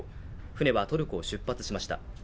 船はトルコを出発しました。